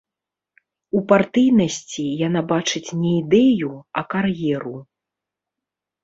У партыйнасці яна бачыць не ідэю, а кар'еру.